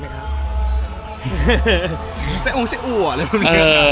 เจอเซอุ่อะไงครับ